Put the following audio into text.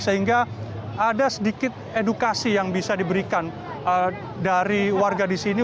sehingga ada sedikit edukasi yang bisa diberikan dari warga di sini